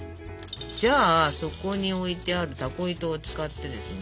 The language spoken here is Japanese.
じゃあそこに置いてあるタコ糸を使ってですね。